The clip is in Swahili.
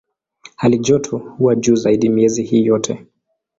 Halijoto huwa juu zaidi miezi hii yote.